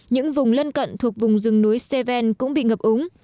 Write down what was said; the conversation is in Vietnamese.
những vùng lân cận thuộc vùng rừng núi seven cũng bị ngập úng